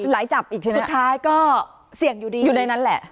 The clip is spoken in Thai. หลายจับอีกทีสุดท้ายก็เสี่ยงอยู่ดีอยู่ในนั้นแหละ